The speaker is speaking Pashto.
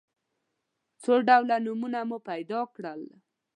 څو ډوله نومونه مو پیدا کړل.